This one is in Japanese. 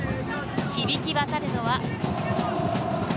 響き渡るのは。